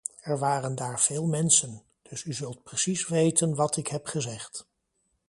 Er waren daar veel mensen, dus u zult precies weten wat ik heb gezegd.